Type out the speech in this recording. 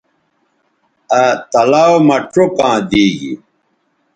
آ تلاؤ مہ چوکاں دی گی